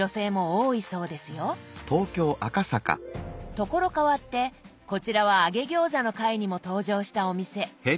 所変わってこちらは揚げ餃子の回にも登場したお店。